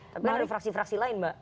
tapi kan ada fraksi fraksi lain mbak